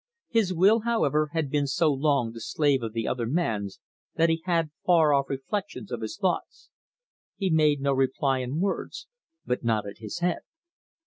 His will, however, had been so long the slave of the other man's that he had far off reflections of his thoughts. He made no reply in words, but nodded his head.